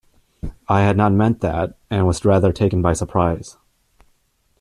I had not meant that, and was rather taken by surprise.